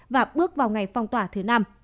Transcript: và bước vào ngày phong tỏa thứ năm